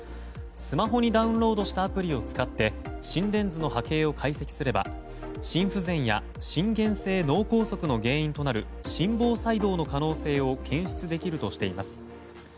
スマホにダウンロードしたアプリを使って心電図の波形を解析すれば心不全や心原性脳梗塞の原因となる心房細動の可能性を検出できるとしています。